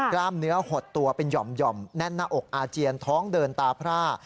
กล้ามเนื้อหดตัวเป็นห่อมแน่นหน้าอกอาเจียนท้องเดินตาพร่า